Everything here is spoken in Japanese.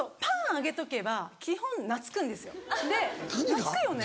懐くよね？